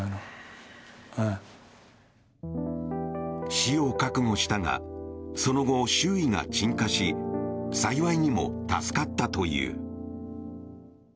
死を覚悟したがその後、周囲が鎮火し幸いにも助かったという。